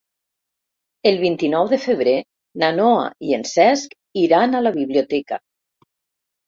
El vint-i-nou de febrer na Noa i en Cesc iran a la biblioteca.